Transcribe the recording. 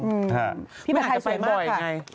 จะติดนี่บาลโฟสไปได้ไม่รู้กี่แห่ง